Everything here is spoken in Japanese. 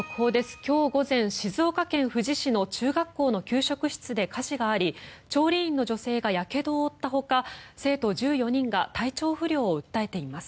今日午前、静岡県富士市の中学校の給食室で火事があり、調理員の女性がやけどを負ったほか生徒１４人が体調不良を訴えています。